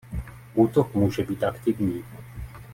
Útok může být aktivní.